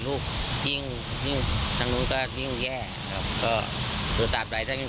ลูกจริงทั้งนู้นจากพี่ยิ่งแย่แล้วก็เกิดขาดใดที่ยัง